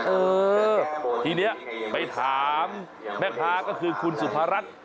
เออทีนี้ไปถามแม่ค้าก็คือคุณสุภารัฐ